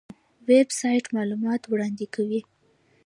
ویب سایټ معلومات وړاندې کوي